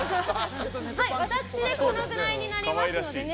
私でこのくらいになりますのでね。